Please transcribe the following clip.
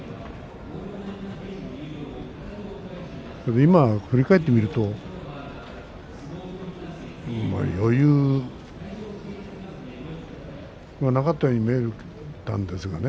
今、振り返ってみると余裕がなかったように見えたんですがね。